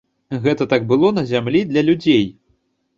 Гэта так было на зямлі для людзей.